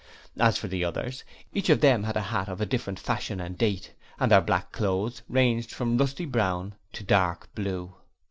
As for the others, each of them had a hat of a different fashion and date, and their 'black' clothes ranged from rusty brown to dark blue.